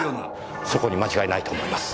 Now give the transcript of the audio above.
そこに間違いないと思います。